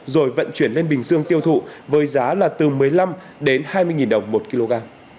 rồi vận chuyển lên bình dương tiêu thụ với giá là từ một mươi năm đến hai mươi đồng một kg